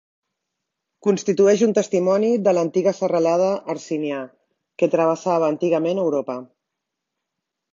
Constitueix un testimoni de l'antiga serralada Hercinià, que travessava antigament Europa.